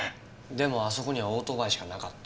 でもあそこにはオートバイしかなかった。